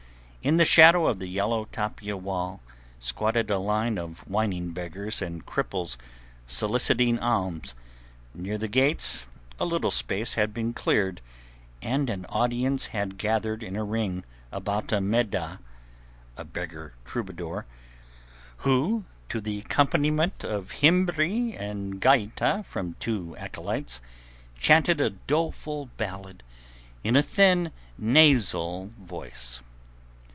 In the shadow of the yellow tapia wall squatted a line of whining beggars and cripples soliciting alms; near the gates a little space had been cleared and an audience had gathered in a ring about a Meddah—a beggar troubadour—who, to the accompaniment of gimbri and gaitah from two acolytes, chanted a doleful ballad in a thin, nasal voice.